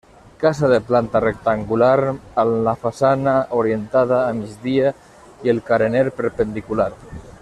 Casa de planta rectangular amb la façana orientada a migdia i el carener perpendicular.